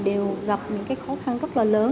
đều gặp những khó khăn rất là lớn